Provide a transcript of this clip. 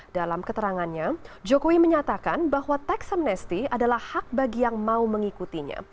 dalam keterangannya jokowi menyatakan bahwa tax amnesty adalah hak bagi yang mau mengikutinya